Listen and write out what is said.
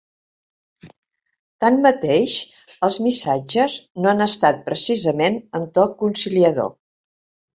Tanmateix, els missatges no han estat precisament en to conciliador.